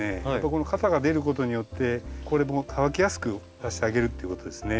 この肩が出ることによってこれも乾きやすくさせてあげるっていうことですね。